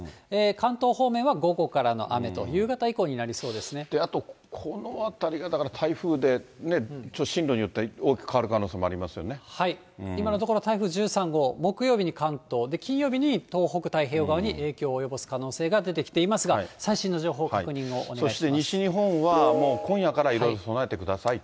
関東方面は午後からの雨と、あと、このあたりがだから台風で進路によっては大きく変わる可能性もあ今のところ、台風１３号、木曜日に関東、金曜日に東北、太平洋側に影響を及ぼす可能性が出てきていますが、そして、西日本はもう今夜からいろいろ備えてくださいと。